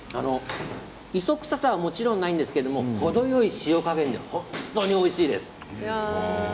磯臭さはもちろんないですけど程よい塩加減で本当においしいです。